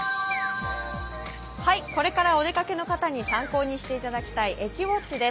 これからお出かけの方に参考にしていただきたい駅ウオッチです。